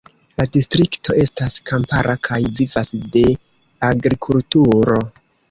La distrikto estas kampara kaj vivas de agrikulturo.